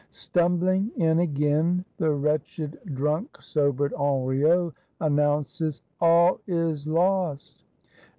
Stumbling in again, the wretched drunk sobered Henriot announces: "All is lost!